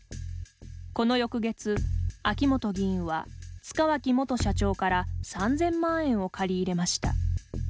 この翌月、秋本議員は塚脇元社長から３０００万円を借り入れました。